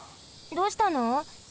どうしたの？